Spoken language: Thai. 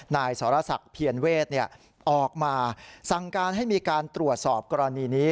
นายสรศักดิ์เพียรเวศออกมาสั่งการให้มีการตรวจสอบกรณีนี้